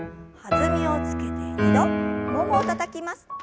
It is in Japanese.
弾みをつけて２度ももをたたきます。